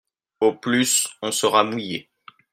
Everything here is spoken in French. Au plus on sera mouillé.